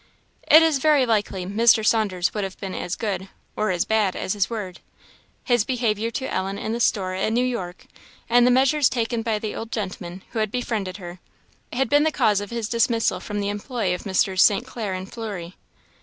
It is very likely Mr. Saunders would have been as good, or as bad, as his word. His behaviour to Ellen in the store at New York, and the measures taken by the old gentleman who had befriended her, had been the cause of his dismissal from the employ of Messrs. St. Clair and Fleury.